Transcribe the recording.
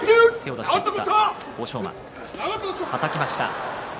はたきました。